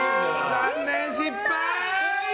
残念、失敗！